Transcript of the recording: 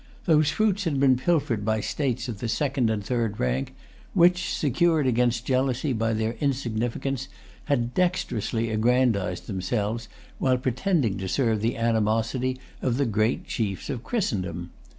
Those fruits had been pilfered by states of the second and third rank, which, secured against jealousy by their insignificance, had dexterously aggrandized themselves while pretending to serve the animosity of the great chiefs of Christendom.